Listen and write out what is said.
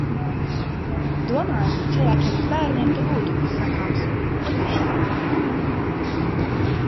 Domāju, ka cilvēkiem bez bērniem te būtu kas sakāms. Un viss.